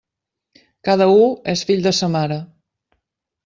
Cada u és fill de sa mare.